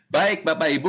baik bapak ibu